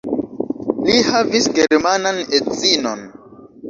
Li havis germanan edzinon.